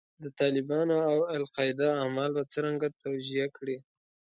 د طالبانو او القاعده اعمال به څرنګه توجیه کړې.